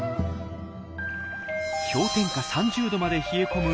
氷点下３０℃まで冷え込む